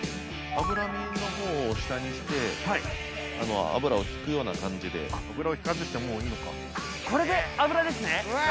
脂身の方を下にしてはい油をひくような感じで油をひかずしてもういいのかこれで油ですね・うわ！